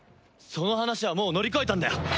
その話はもう乗り越えたんだよ！